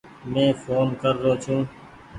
مين ڦون ڪر رو ڇون ۔